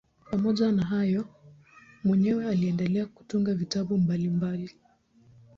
Pamoja na hayo mwenyewe aliendelea kutunga vitabu mbalimbali.